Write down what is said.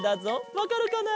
わかるかな？